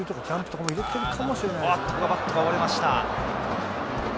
バットが折れました。